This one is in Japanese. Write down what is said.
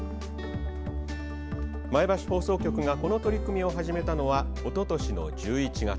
前橋放送局がこの取り組みを始めたのはおととしの１１月。